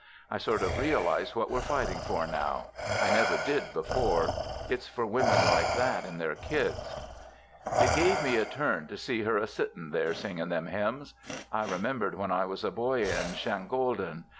I sort of realize what we're fighting for now, and I never did before. It's for women like that and their kids. "It gave me a turn to see her a sitting there singing them hymns. I remembered when I was a boy in Shangolden.